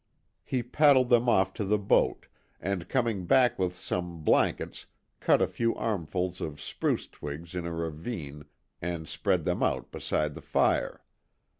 He paddled them off to the boat, and coming back with some blankets cut a few armfuls of spruce twigs in a ravine and spread them out beside the fire.